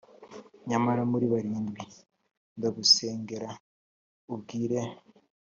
nyamara muri barindwi! ndagusengera ubwire,